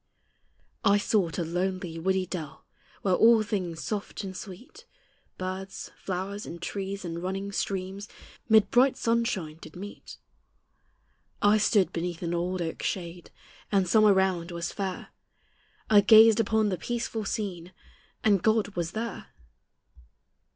I sought a lonely, woody dell, Where all things soft and sweet, Birds, flowers, and trees, and running streams, Mid bright sunshine did meet: I stood beneath an old oak's shade, And summer round was fair; I gazed upon the peaceful scene, And God was there!